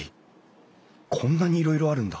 こんなにいろいろあるんだ！